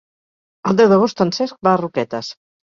El deu d'agost en Cesc va a Roquetes.